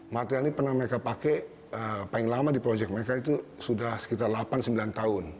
material ini pernah mereka pakai paling lama di proyek mereka itu sudah sekitar delapan sembilan tahun